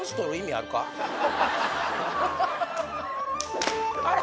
・あれ？